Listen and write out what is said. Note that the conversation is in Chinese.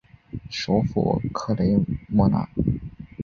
首府克雷莫纳。